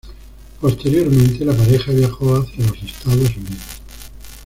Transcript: Posteriormente la pareja viajó hacia los Estados Unidos.